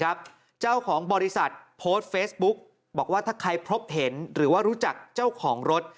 เจ้าของบริษัทโพสต์เฟซบุ๊กบอกว่าถ้าใครพบเห็นหรือว่ารู้จักเจ้าของรถ